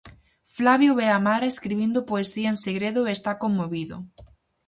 Flavio ve a Mara escribindo poesía en segredo e está conmovido.